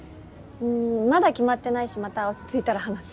うんまだ決まってないしまた落ち着いたら話す。